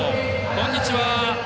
こんにちは。